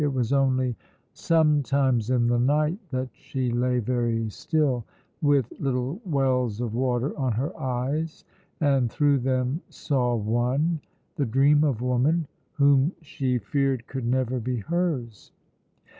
It was only sometimes in the night that she lay very still, with little wells of water on her eyes, and through them saw one the dream of woman whom she feared could never be hers.